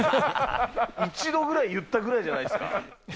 一度ぐらい言ったぐらいじゃないですか？